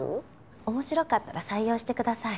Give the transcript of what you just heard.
面白かったら採用してください。